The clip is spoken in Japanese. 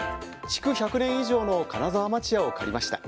築１００年以上の金沢町屋を借りました。